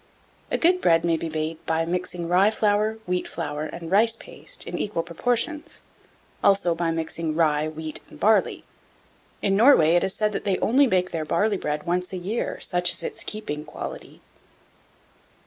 1685. A good bread may be made by mixing rye flour, wheat flour, and rice paste in equal proportions; also by mixing rye, wheat, and barley. In Norway, it is said that they only bake their barley broad once a year, such is its "keeping" quality.